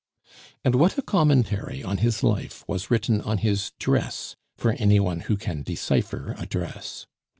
And what a commentary on his life was written on his dress for any one who can decipher a dress!